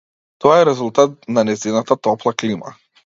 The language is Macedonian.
Тоа е резултат на нејзината топла клима.